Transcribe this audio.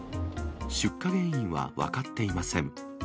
出火原因は分かっていません。